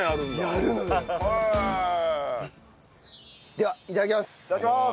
ではいただきます。